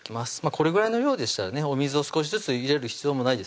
これぐらいの量でしたらねお水を少しずつ入れる必要もないですね